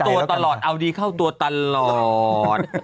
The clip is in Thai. อยากเข้าตัวตลอดเอาดีเข้าตัวตลอด